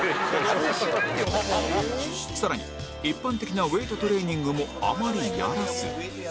更に一般的なウェイトトレーニングもあまりやらず